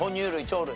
鳥類？